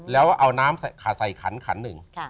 แล้วเอาน้ำใส่ขันขันหนึ่ง